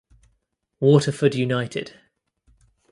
Waterford United